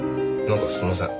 なんかすいません。